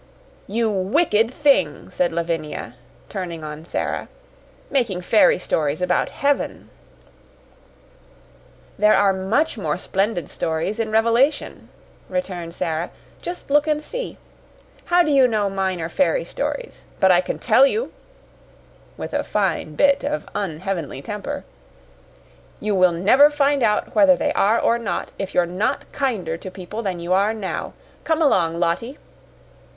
"You wicked thing," said Lavinia, turning on Sara; "making fairy stories about heaven." "There are much more splendid stories in Revelation," returned Sara. "Just look and see! How do you know mine are fairy stories? But I can tell you" with a fine bit of unheavenly temper "you will never find out whether they are or not if you're not kinder to people than you are now. Come along, Lottie."